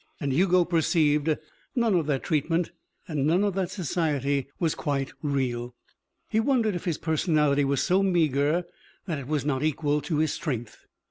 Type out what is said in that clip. And, Hugo perceived, none of that treatment and none of that society was quite real. He wondered if his personality was so meagre that it was not equal to his strength.